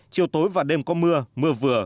chiều tối và đêm có mưa mưa vừa